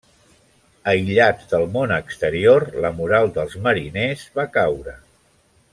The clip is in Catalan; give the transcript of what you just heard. Aïllats del món exterior, la moral dels mariners va caure.